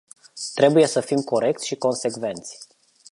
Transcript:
Trebuie să fim corecți și consecvenți.